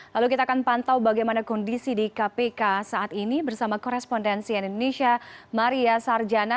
lalu kita akan pantau bagaimana kondisi di kpk saat ini bersama korespondensi indonesia maria sarjana